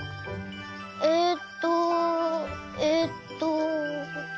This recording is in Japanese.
えっとえっと。